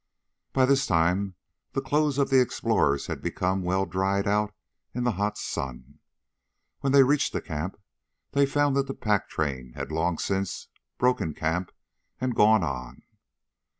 By this time the clothes of the explorers had become well dried out in the hot sun. When they reached the camp they found that the pack train had long since broken camp and gone on.